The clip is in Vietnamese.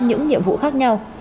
những nhiệm vụ khác nhau